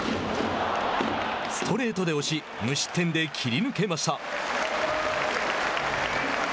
ストレートで押し無失点で切り抜けました。